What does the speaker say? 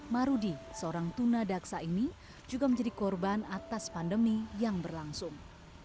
marudi seorang tuna daksa ini juga menjadi korban atas pandemi yang berlangsung